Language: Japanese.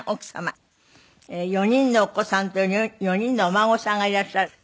４人のお子さんと４人のお孫さんがいらっしゃる。